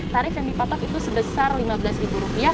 tarif yang dipatok itu sebesar rp lima belas